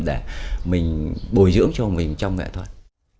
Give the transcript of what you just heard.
để mình bồi dưỡng cho mình trong nghệ thuật